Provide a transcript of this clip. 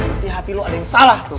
hati hati lo ada yang salah tuh